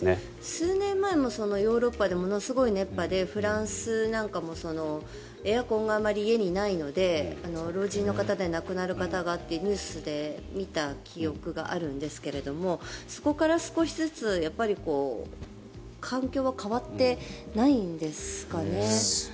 数年前もヨーロッパでものすごい熱波でフランスなんかもエアコンがあまり家にないので老人の方で亡くなる方がってニュースで見た記憶があるんですがそこから少しずつ環境は変わってないんですかね。